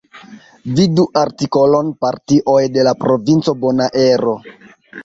Vidu artikolon Partioj de la Provinco Bonaero.